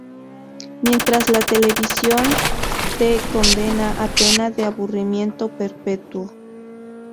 Mientras la televisión te condena a pena de aburrimiento perpetuo